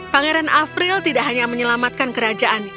pangeran afril tidak hanya menyelamatkan kerajaan